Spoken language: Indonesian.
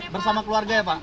bersama keluarga ya pak